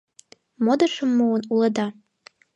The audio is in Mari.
— Модышым муын улыда?